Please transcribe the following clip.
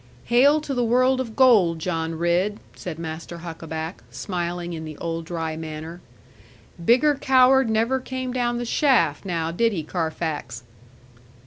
'Hail to the world of gold, John Ridd,' said Master Huckaback, smiling in the old dry manner; 'bigger coward never came down the shaft, now did he, Carfax?'